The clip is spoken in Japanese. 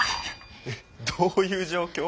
えっどういう状況？